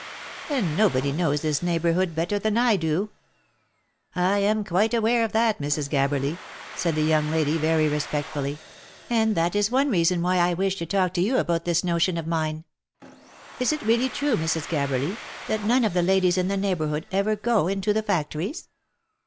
And nobody knows this neighbourhood better than I do." "lam quite aware of that Mrs. Gabberly," said the young lady very respectfully, " and that is one reason why I wish to talk to you about this notion of mine. Is it really true, Mrs. Gabberly, that none of the ladies in the neighbourhood ever go into the factories